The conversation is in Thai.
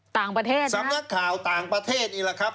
ต่างประเทศใช่ไหมสำนักข่าวต่างประเทศนี่แหละครับ